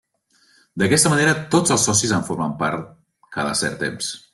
D'aquesta manera tots els socis en formen part cada cert temps.